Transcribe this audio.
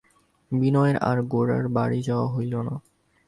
বিনয়ের আর গোরার বাড়ি যাওয়া হইল না।